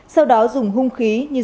sau đó dùng hung khí như ra